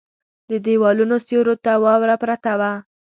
د ديوالونو سيورو ته واوره پرته وه.